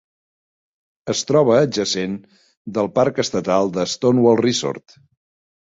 Es troba adjacent del parc estatal de Stonewall Resort.